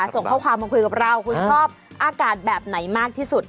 ส่งข้อความมาคุยกับเราคุณชอบอากาศแบบไหนมากที่สุด